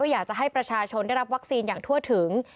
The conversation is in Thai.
อยากจะให้ประชาชนได้รับวัคซีนอย่างทั่วถึง